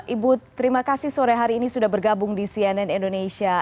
ibu terima kasih sore hari ini sudah bergabung di cnn indonesia